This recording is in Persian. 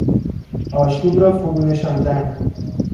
آشوب را فرونشاندن